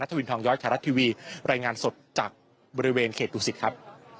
นัทธวินทองย้อยชาวรัฐทีวีรายงานสดจากบริเวณเขตุศิษฐ์ครับ